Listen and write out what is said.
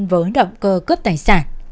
với động cơ cướp tài sản